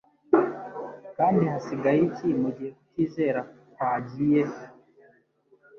Kandi hasigaye iki mugihe kutizera kwagiye?